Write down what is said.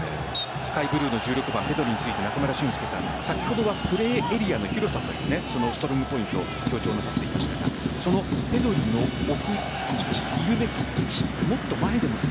スカイブルーの１６番ペドリについて先ほどはプレーエリアの広さというストロングポイントを強調なさっていましたがペドリの奥位置いるべき位置。